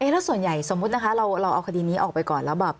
แล้วส่วนใหญ่สมมุตินะคะเราเอาคดีนี้ออกไปก่อนแล้วแบบ